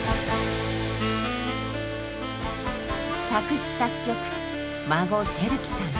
作詞・作曲孫晃熙さん。